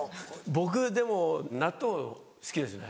僕でも納豆好きですね。